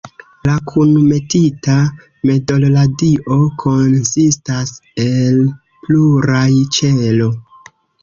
La "kunmetita medolradio"konsistas el pluraj ĉelo.